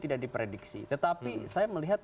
tidak diprediksi tetapi saya melihat